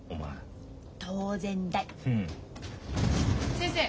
先生。